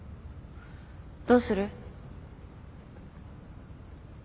どうする？